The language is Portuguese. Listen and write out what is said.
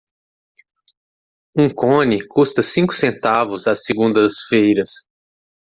Um cone custa cinco centavos às segundas-feiras.